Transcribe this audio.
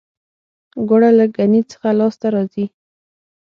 ګوړه له ګني څخه لاسته راځي